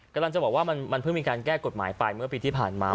กำลังจะบอกว่ามันเพิ่งมีการแก้กฎหมายไปเมื่อปีที่ผ่านมา